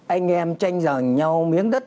anh em tranh giành nhau miếng đất